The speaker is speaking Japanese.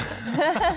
ハハハ。